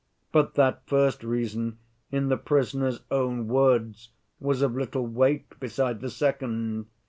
But that first reason, in the prisoner's own words, was of little weight beside the second.